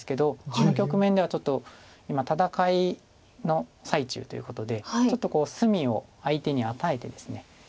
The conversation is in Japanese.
この局面ではちょっと今戦いの最中ということでちょっと隅を相手に与えてですね